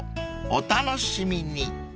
お楽しみに］